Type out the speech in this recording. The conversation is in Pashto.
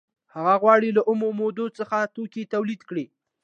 هغه غواړي له اومو موادو څخه توکي تولید کړي